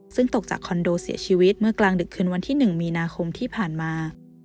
ซึ่งตกจากคอนโดเสียชีวิตเมื่อกลางดึกคืนวันที่๑มีนาคมที่ผ่านมา